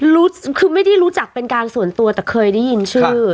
รู้คือไม่ได้รู้จักเป็นการส่วนตัวแต่เคยได้ยินชื่อ